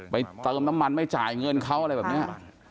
เติมน้ำมันไม่จ่ายเงินเขาอะไรแบบนี้